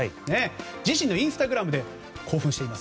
自身のインスタグラムで興奮しています。